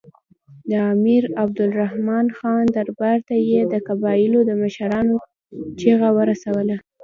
د امیر عبدالرحمن خان دربار ته یې د قبایلو د مشرانو چیغه ورسوله.